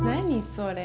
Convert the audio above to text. それ。